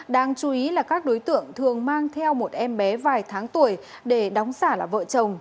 đáng chú ý là các đối tượng thường mang theo một em bé vài tháng tuổi để đóng giả là vợ chồng